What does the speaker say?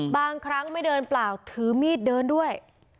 บางครั้งไม่เดินเปล่าถือมีดเดินด้วย